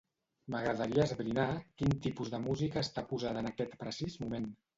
M'agradaria esbrinar quin tipus de música està posada en aquest precís moment.